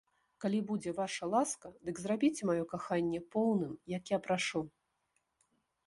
Калі будзе ваша ласка, дык зрабіце маё каханне поўным, як я прашу.